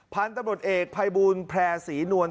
พาลตำรวจเอกภายบูรณ์แพร่ศรีนวล